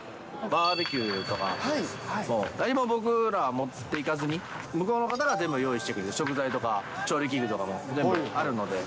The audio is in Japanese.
バーベキューとか、何も僕らは持っていかずに、向こうの方が全部用意してくれる、食材とか調理器具とかも全部あるので。